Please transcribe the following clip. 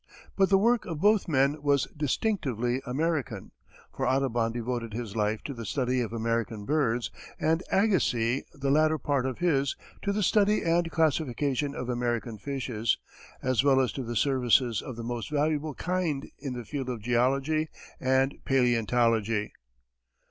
But the work of both men was distinctively American, for Audubon devoted his life to the study of American birds, and Agassiz the latter part of his to the study and classification of American fishes as well as to services of the most valuable kind in the field of geology and paleontology.